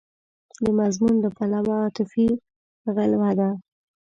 د مضمون له پلوه عاطفي غلوه ده.